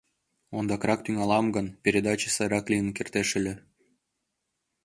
Ондакрак тӱҥалам гын, передаче сайрак лийын кертеш ыле.